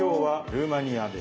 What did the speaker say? ルーマニア。